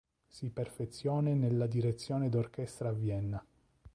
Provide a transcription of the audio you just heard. Si perfezione nella direzione d'Orchestra a Vienna.